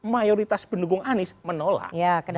mayoritas pendukung anies menolak